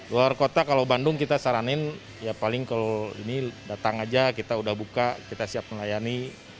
luar kota kalau bandung kita saranin ya paling kalau ini datang aja kita udah buka kita siap melayani